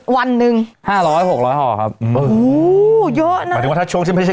วันหนึ่งห้าร้อยหกร้อยห่อครับโอ้โหเยอะนะหมายถึงว่าถ้าช่วงที่ไม่ใช่